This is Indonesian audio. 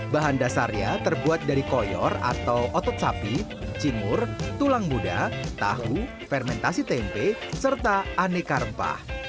bahan dasarnya terbuat dari koyor atau otot sapi cingur tulang muda tahu fermentasi tempe serta aneka rempah